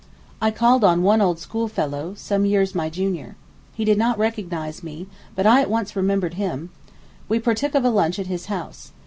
I called on one old school fellow, some years my junior. He did not recognize me, but I at once remembered him. We partook of a lunch at his house.